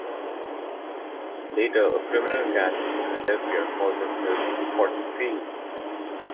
Later a criminal gang in Philadelphia called themselves the Forty Thieves.